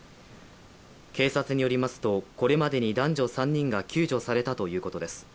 警察によりますとこれまでに男女３人が救助されたということです。